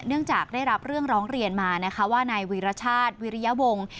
เนื่องจากได้รับเรื่องร้องเรียนมาว่าในวิรชาติวิริยบง